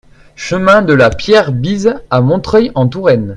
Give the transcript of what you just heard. Chemin de la Pierre Bise à Montreuil-en-Touraine